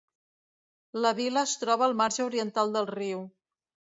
La vila es troba al marge oriental del riu.